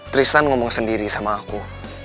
tristan ngomong sendiri sama aku